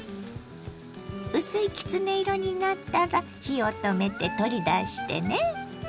薄いきつね色になったら火を止めて取り出してね。